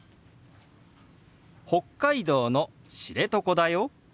「北海道の知床だよ」。